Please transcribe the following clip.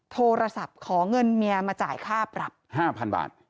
โทรศัพท์ขอเงินเมียมาจ่ายค่าปรับ๕๐๐๐บาท